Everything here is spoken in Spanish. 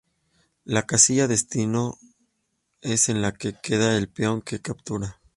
La casilla destino es en la que queda el peón que captura.